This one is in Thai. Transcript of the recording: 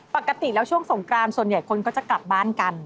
ปกติแล้วช่วงสงกรานส่วนใหญ่คนก็จะกลับบ้านกัน